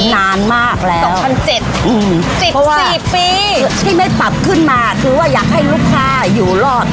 นานมากแล้วสองพันเจ็ดอืมสิบสี่ปีที่ไม่ปรับขึ้นมาคือว่าอยากให้ลูกค้าอยู่รอด